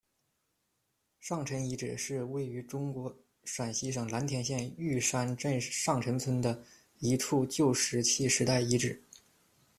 上陈遗址是位于中国陕西省蓝田县玉山镇上陈村的一处旧石器时代遗址。